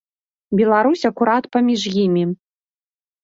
Беларусь акурат паміж імі.